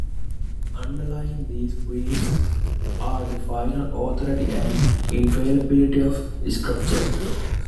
Underlying these beliefs are the final authority and infallibility of Scripture.